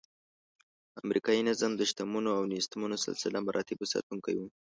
امریکایي نظم د شتمنو او نیستمنو سلسله مراتبو ساتونکی و.